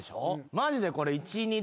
マジでこれ。